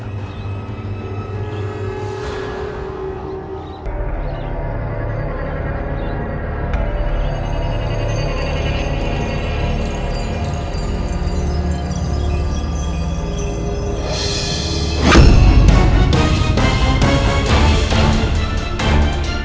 aku akan mencari makanan yang lebih enak